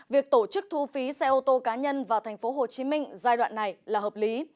việc tổ chức thu phí xe ô tô cá nhân vào tp hcm giai đoạn này là hợp lý